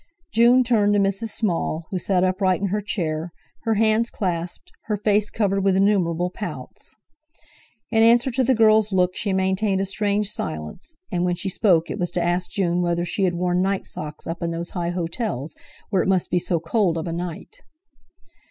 June turned to Mrs. Small, who sat upright in her chair, her hands clasped, her face covered with innumerable pouts. In answer to the girl's look she maintained a strange silence, and when she spoke it was to ask June whether she had worn night socks up in those high hotels where it must be so cold of a night.